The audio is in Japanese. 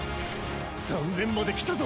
３０００まで来たぞ！